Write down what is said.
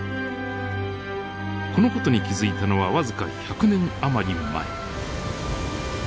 この事に気付いたのは僅か１００年余り前。